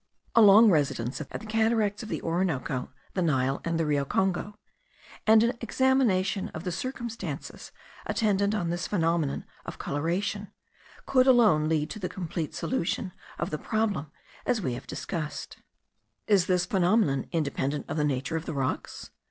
A long residence at the cataracts of the Orinoco, the Nile, and the Rio Congo, and an examination of the circumstances attendant on this phenomenon of coloration, could alone lead to the complete solution of the problem we have discussed. Is this phenomenon independent of the nature of the rocks?